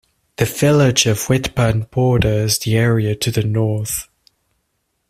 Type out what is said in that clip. The village of Whitburn borders the area to the north.